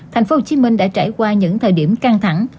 tp hcm đã trải qua những thời điểm căng thẳng